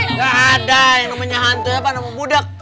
nggak ada yang namanya hantu apa nama budak